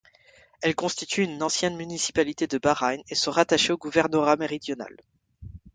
Elles constituent une ancienne municipalité de Bahreïn et sont rattachées au gouvernorat méridional.